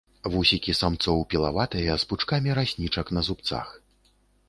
Вусікі самцоў пілаватыя, з пучкамі раснічак на зубцах.